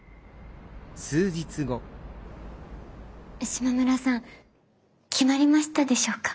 島村さん決まりましたでしょうか？